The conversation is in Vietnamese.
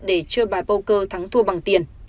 để chơi bài poker thắng thua bằng tiền